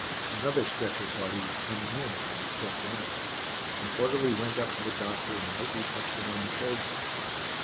Another stretcher party was coming in, and it was set down. An orderly went up to the doctor and lightly touched him on the shoulder.